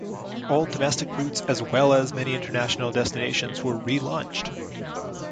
Old domestic routes as well as many international destinations were relaunched.